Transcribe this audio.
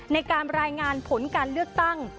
ในการรายงานผลการเลือกตั้ง